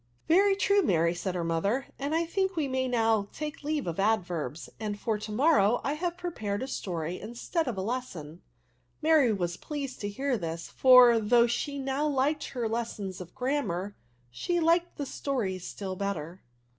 *' Very true, Mary,*' said her mother. " I think we may now take leave of adverbs; and for to morrow I have prepared a story instead of a lesson.'' Mary was pleased to hear this; for, though she now liked her lessons of grammar, she liked the stories still better.